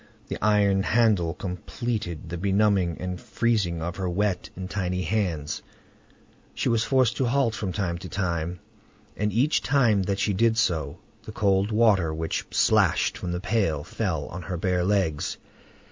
The iron handle completed the benumbing and freezing of her wet and tiny hands; she was forced to halt from time to time, and each time that she did so, the cold water which splashed from the pail fell on her bare legs.